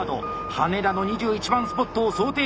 羽田の２１番スポットを想定しております。